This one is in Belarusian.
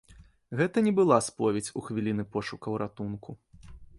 Гэта не была споведзь у хвіліны пошукаў ратунку.